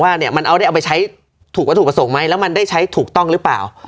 ว่าเนี่ยมันให้ไปใช้ถูกประสงค์มั้ยแล้วมันได้ใช้ถูกต้องหรือเปล่า